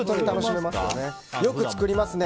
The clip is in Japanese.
よく作りますか？